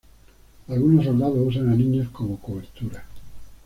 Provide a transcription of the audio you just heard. Algunos soldados usan a niños como cobertura.